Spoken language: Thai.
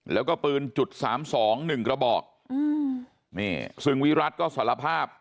แล้วก็ปืน๓๒๑กระบอกซึ่งวิรัติก็สารภาพ